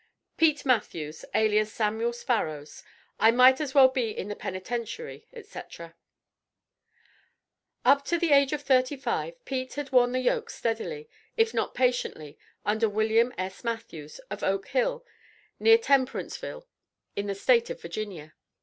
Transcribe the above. "PETE MATTHEWS," ALIAS SAMUEL SPARROWS. "I MIGHT AS WELL BE IN THE PENITENTIARY, &C." Up to the age of thirty five "Pete" had worn the yoke steadily, if not patiently under William S. Matthews, of Oak Hall, near Temperanceville, in the State of Virginia.